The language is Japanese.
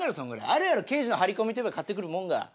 あるやろ刑事の張り込みといえば買ってくるもんが。